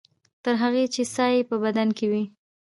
تر هغې چې ساه یې په بدن کې وي.